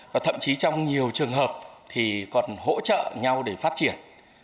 và thậm chí trong nhiều trường hợp thì còn hỗ trợ nhau để phát triển